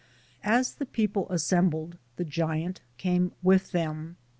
As the people assembled, the giant came with them.